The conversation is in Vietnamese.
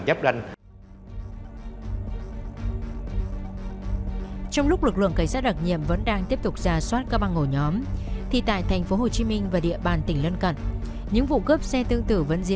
đội cảnh sát đặc nhiệm công an tp hcm đã ngay lập tức tiến hành khoanh vùng